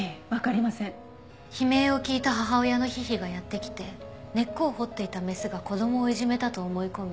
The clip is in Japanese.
悲鳴を聞いた母親のヒヒがやって来て根っこを掘っていたメスが子供をいじめたと思い込み